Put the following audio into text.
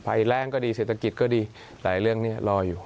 ภัยแรงก็ดีเศรษฐกิจก็ดีแต่เรื่องนี้รออยู่